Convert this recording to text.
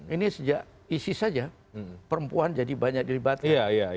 ini sejak isis saja perempuan jadi banyak dilibatkan